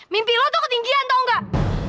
mimpi lo tuh ketinggian tau gak